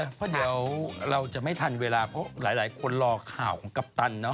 เพราะเดี๋ยวเราจะไม่ทันเวลาเพราะหลายคนรอข่าวของกัปตัน